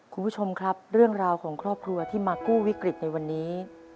คุณผู้ชมครับเรื่องราวของครอบครัวที่มากู้วิกฤตในวันนี้